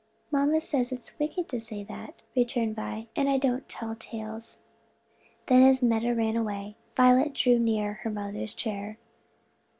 "My mamma says it's wicked to say that;" returned Vi, "and I don't tell tales." Then as Meta ran away, Violet drew near her mother's chair.